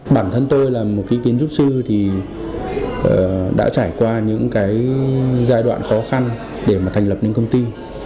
bản thân tôi là một cái kiến trúc sư thì đã trải qua những cái giai đoạn khó khăn để mà thành lập những công ty